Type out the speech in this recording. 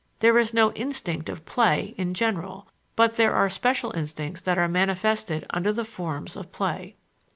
_There is no instinct of play in general, but there are special instincts that are manifested under the forms of play.